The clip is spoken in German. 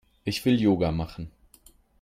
Ich will Yoga machen.